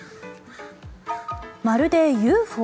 まるでＵＦＯ？